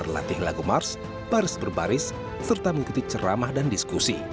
dan juga untuk mencari tempat untuk berbicara